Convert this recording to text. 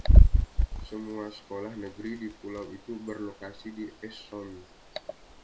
Semua sekolah negeri di pulau itu berlokasi di Eastsound.